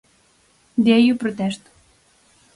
De aí o protesto.